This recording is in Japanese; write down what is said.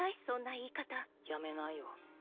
そんな言い方やめないよ